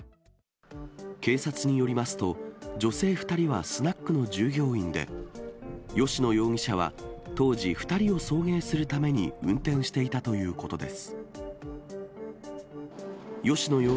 警察によりますと、女性２人はスナックの従業員で、吉野容疑者は、当時、２人を送迎するために運転していたということです。